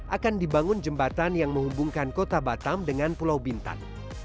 akan dibangun jembatan yang menghubungkan kota batam dengan pulau bintan